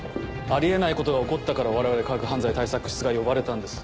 あり得ないことが起こったから我々科学犯罪対策室が呼ばれたんです。